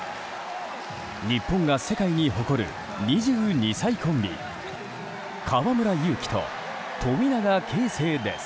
日本が世界に誇る２２歳コンビ河村勇輝と富永啓生です。